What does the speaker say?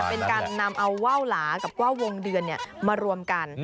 เป็นการนำเอาว่าวหลากับว่าวงเดือนมารวมกัน